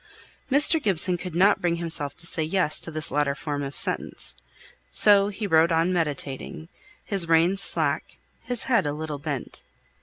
Mr. Gibson could not bring himself to say "yes" to this latter form of sentence. So he rode on, meditating; his reins slack, his head a little bent.